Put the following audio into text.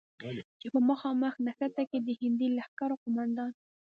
چې په مخامخ نښته کې د هندي لښکرو قوماندان،